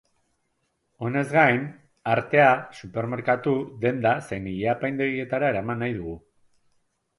Honez gain, artea supermerkatu, denda zein ilepaindegietara eraman nahi dugu.